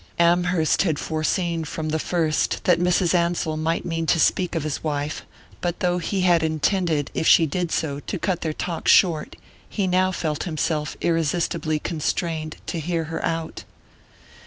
Amherst had foreseen from the first that Mrs. Ansell might mean to speak of his wife; but though he had intended, if she did so, to cut their talk short, he now felt himself irresistibly constrained to hear her out.